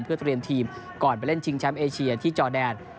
เพื่อเตรียมทีมก่อนไปเล่นชิงแชมป์เอเชียที่จอแดน